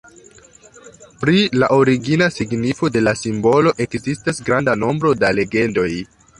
Pri la "origina" signifo de la simbolo ekzistas granda nombro da legendoj.